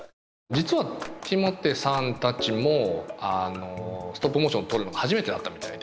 実はＴＹＭＯＴＥさんたちもストップモーション撮るの初めてだったみたいで。